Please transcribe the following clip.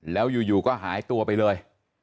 แล้วอยู่ก็หายตัวไปเลย